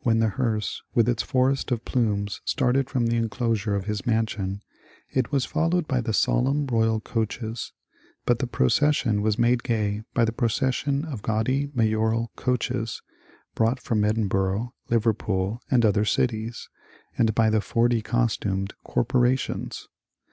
When the hearse with its forest of plumes started from the enclosure of his mansion, it was followed by the solemn royal coaches, but the procession was made gay by the procession of gaudy mayoral coaches, — brought from Edinburgh, Liver pool, and other cities, — and by the forty costumed corpora tions.